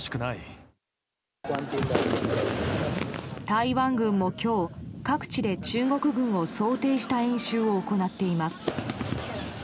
台湾軍も今日各地で中国軍を想定した演習を行っています。